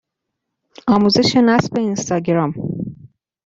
آموزش نصب اینستاگرام